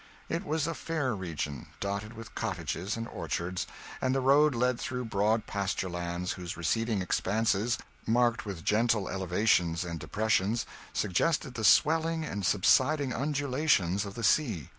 It was a fair region, dotted with cottages and orchards, and the road led through broad pasture lands whose receding expanses, marked with gentle elevations and depressions, suggested the swelling and subsiding undulations of the sea.